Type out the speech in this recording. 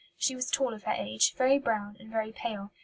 She was tall of her age, very brown, and very pale.